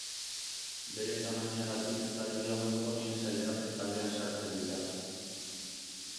Bere tamainagatik zaldi hauek ponien sailkapen taldean sartzen dira.